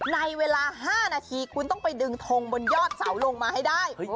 ในเวลา๕นาทีคุณต้องไปดึงทงบนยอดเสาลงมาให้ได้